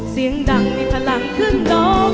เสียงดังมีพลังครึ่งโลก